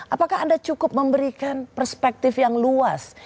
apakah anda cukup memberikan perspektif yang luas